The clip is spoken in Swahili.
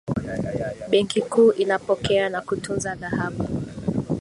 benki kuu inapokea na kutunza dhahabu